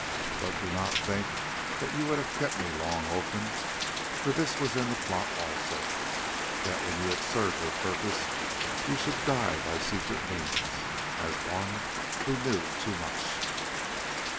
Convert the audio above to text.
But do not think that you would have kept me long, Olfan; for this was in the plot also, that when you had served their purpose you should die by secret means, as one who knew too much."